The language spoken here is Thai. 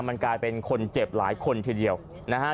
มันกลายเป็นคนเจ็บหลายคนทีเดียวนะฮะ